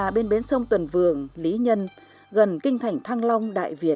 bên bến sông tuần vườn lý nhân gần kinh thành thăng long đại việt